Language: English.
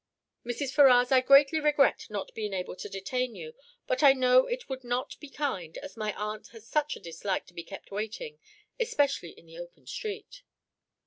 Mrs. Ferrars, I greatly regret not being able to detain you, but I know it would not be kind, as my aunt has such a dislike to be kept waiting, especially in the open street."